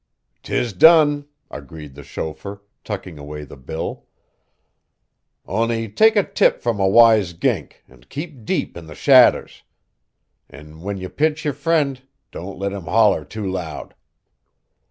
"'Tiz done," agreed the chauffeur, tucking away the bill, "on'y take a tip from a wise gink an' keep deep in the shadders. An' whin ye pinch your frind don't let him holler too loud."